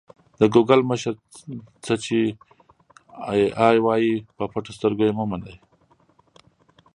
د ګوګل مشر: څه چې اې ای وايي په پټو سترګو یې مه منئ.